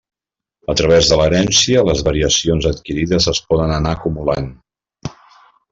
A través de l'herència, les variacions adquirides es poden anar acumulant.